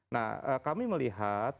nah kami melihat